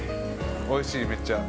おいしい、めっちゃ。